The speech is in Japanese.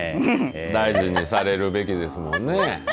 大事にされるべきですもんね。